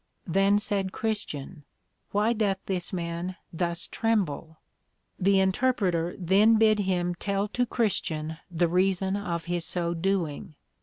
Then said Christian, Why doth this man thus tremble? The Interpreter then bid him tell to Christian the reason of his so doing.